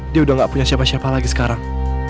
dia udah gak punya siapa siapa lagi sekarang